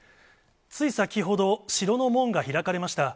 つい先ほど、城の門が開かれました。